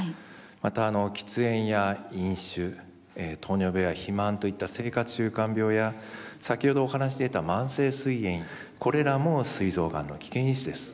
また喫煙や飲酒糖尿病や肥満といった生活習慣病や先ほどお話出た慢性すい炎これらもすい臓がんの危険因子です。